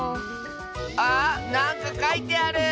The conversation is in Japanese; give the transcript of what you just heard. あなんかかいてある！